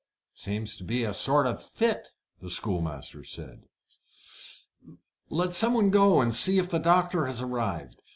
"Seems to be in a sort of fit," the schoolmaster said. "Let some one go and see if the doctor has arrived.